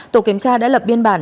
tổ kiểm tra đã lập biên bản